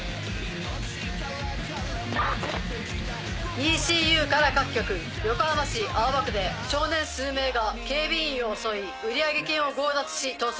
ＥＣＵから各局横浜市青葉区で少年数名が警備員を襲い売上金を強奪し逃走。